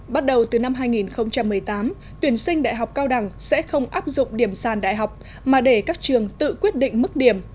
bắt đầu từ năm hai nghìn một mươi tám tuyển sinh đại học cao đẳng sẽ không áp dụng điểm sàn đại học mà để các trường tự quyết định mức điểm